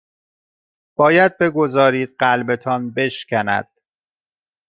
باید بگذارید قلبتان بشکند